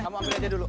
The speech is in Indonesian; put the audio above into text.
kamu ambil aja dulu